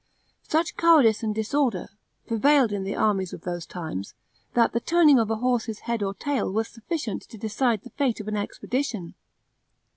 Such cowardice and disorder prevailed in the armies of those times, that the turning of a horse's head or tail was sufficient to decide the fate of an expedition.